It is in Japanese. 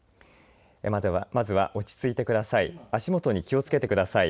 まずは落ち着いてください。